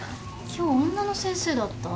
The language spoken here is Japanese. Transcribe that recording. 今日女の先生だった。